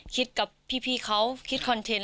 กับพี่เขาคิดคอนเทนต